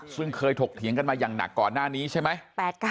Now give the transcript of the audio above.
ซึ่งเคยถกเถียงกันมาอย่างหนักก่อนหน้านี้ใช่ไหม